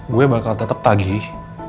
gue bakal tetep tagih